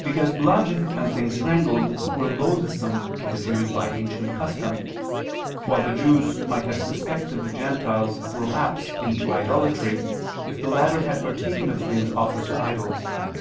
Because blood and things strangled were loathsome to the Jews by ancient custom; while the Jews might have suspected the Gentiles of relapse into idolatry if the latter had partaken of things offered to idols.